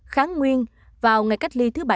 kháng nguyên vào ngày cách ly thứ bảy